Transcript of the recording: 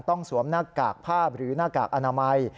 ต้องสวมหน้ากากภาพหรือหน้ากากอนามัย